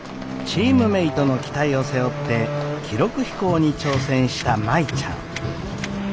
チームメイトの期待を背負って記録飛行に挑戦した舞ちゃん。